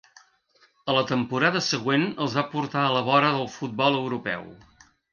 A la temporada següent els va portar a la vora del futbol europeu.